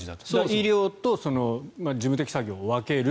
医療と事務的作業を分ける。